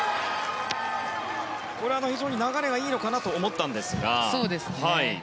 これは非常に流れがいいのかなと思ったんですが。